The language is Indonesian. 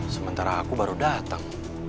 sementara aku baru dateng